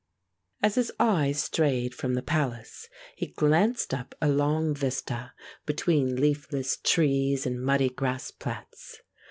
As his eyes strayed from the palace, he glanced up a long vista between leafless trees and muddy grass plats.